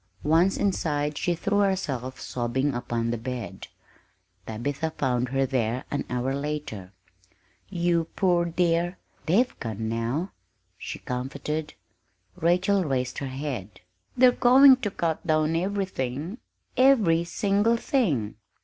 Once inside, she threw herself, sobbing, upon the bed. Tabitha found her there an hour later. "You poor dear they've gone now," she comforted. Rachel raised her head. "They're going to cut down everything every single thing!"